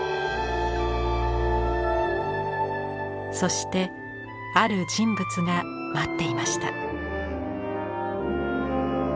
そしてある人物が待っていました。